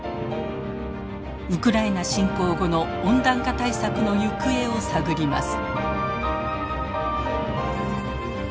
ウクライナ侵攻後の温暖化対策の行方を探ります。